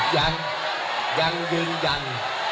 ยังยืนยัน